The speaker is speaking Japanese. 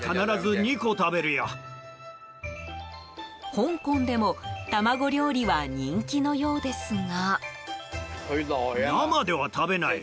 香港でも卵料理は人気のようですが。